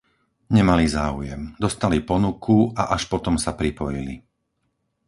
Nemali záujem, dostali ponuku a až potom sa pripojili.